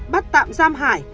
bắt tạm giam hải